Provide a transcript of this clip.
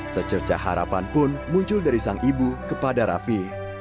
secerca harapan pun muncul dari sang ibu kepada raffi